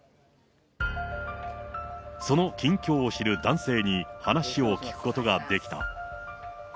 その近況を知る男性に話を聞くことができた。